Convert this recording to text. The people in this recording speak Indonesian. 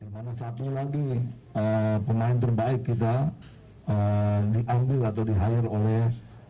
pertama lagi pemain terbaik tidak diambil atau dihajar oleh